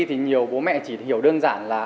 thì nhiều bố mẹ chỉ hiểu đơn giản là